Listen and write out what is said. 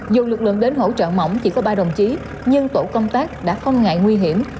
dù lực lượng đến hỗ trợ mỏng chỉ có ba đồng chí nhưng tổ công tác đã không ngại nguy hiểm